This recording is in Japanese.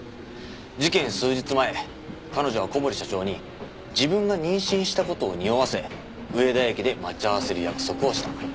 事件数日前彼女は小堀社長に自分が妊娠した事をにおわせ上田駅で待ち合わせる約束をした。